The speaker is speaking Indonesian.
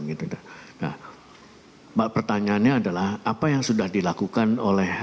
nah pertanyaannya adalah apa yang sudah dilakukan oleh